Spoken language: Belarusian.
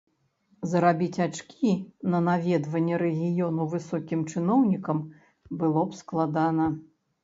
Зарабіць ачкі на наведванні рэгіёну высокім чыноўнікам было б складана.